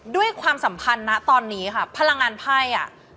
ด้วยความสัมพันธ์ตอนนี้ค่ะพลังงานไพร่